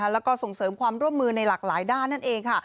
แล้วก็ส่งเสริมความร่วมมือในหลากหลายด้านนั่นเองค่ะ